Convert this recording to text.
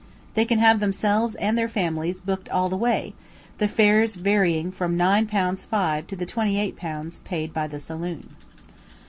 They can have themselves and their families booked all the way, the fares varying from nine pounds five to the twenty eight pounds paid by the saloon.